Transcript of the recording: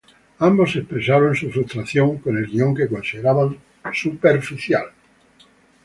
Ambos expresaron su frustración con el guion, que consideraban superficial.